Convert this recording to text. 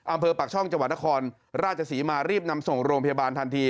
อำเภอปากช่องจังหวัดนครราชศรีมารีบนำส่งโรงพยาบาลทันที